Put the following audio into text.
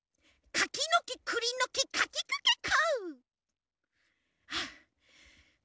かきのきくりのきかきくけこ！